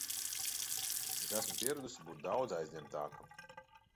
Es esmu pieradusi būt daudz aizņemtāka.